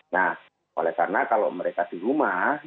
nah oleh karena kalau mereka di rumah